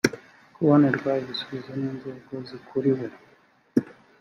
kubonerwa ibisubizo n inzego zikuriwe